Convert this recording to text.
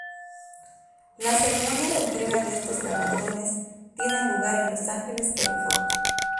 La ceremonia de entrega de estos galardones tiene lugar en Los Ángeles, California.